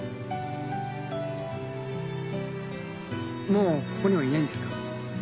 もうここにはいないんですか？